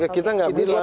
kita nggak punya peluang